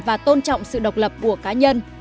và tôn trọng sự độc lập của cá nhân